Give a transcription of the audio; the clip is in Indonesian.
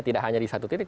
tidak hanya di satu titik